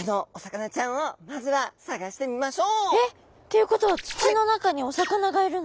えっ？っていうことは土の中にお魚がいるの？